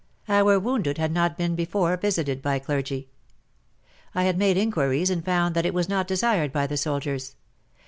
Our wounded had not before been visited by clergy. I had made inquiries and found that it was not desired by the soldiers.